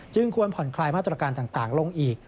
ควรผ่อนคลายมาตรการต่างลงอีก